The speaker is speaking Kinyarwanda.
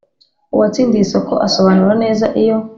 uwatsindiye isoko asobanura neza iyo